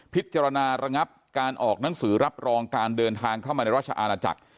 พิจารณาระงับการออกหนังสือรับรองการเดินทางเข้ามาในราชอาณาจักร